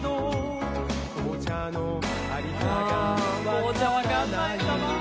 「紅茶わかんないんだな」